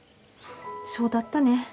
そうだったね。